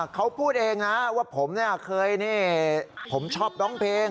เขาพูดเองนะว่าผมเคยผมชอบร้องเพลง